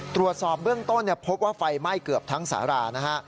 ตรวจสอบเบื้องต้นพบว่าไฟไหม้เกือบทั้งสารานะฮะ